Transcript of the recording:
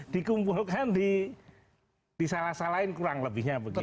dikumpulkan disalah salahin kurang lebihnya begitu